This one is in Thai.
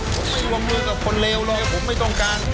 ผมไม่รวมมือกับคนเลวเลยผมไม่ต้องการ